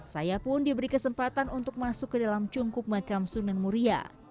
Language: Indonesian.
saya pun diberi kesempatan untuk masuk ke dalam cungkup makam sunan muria